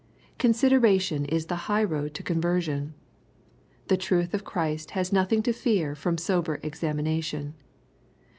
Consideration is the high road to conversion. The truth of Christ has nothing to fear from sober examination.